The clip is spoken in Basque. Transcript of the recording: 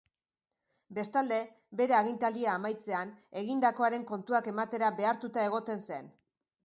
Bestalde, bere agintaldia amaitzean, egindakoaren kontuak ematera behartuta egoten zen.